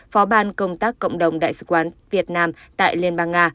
phó ban công tác cộng đồng đại sứ quán việt nam tại liên bang nga